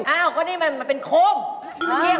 อ้าวก็นี่มันเป็นโคมตะเกียง